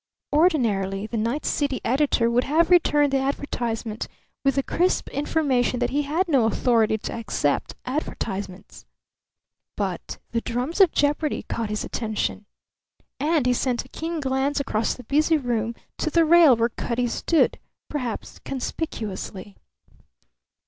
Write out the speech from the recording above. Ordinarily the night city editor would have returned the advertisement with the crisp information that he had no authority to accept advertisements. But the "drums of jeopardy" caught his attention; and he sent a keen glance across the busy room to the rail where Cutty stood, perhaps conspicuously.